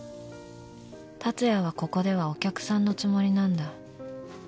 ［竜也はここではお客さんのつもりなんだ］